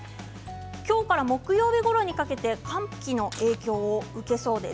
今日から木曜日ごろにかけて寒気の影響を受けそうです。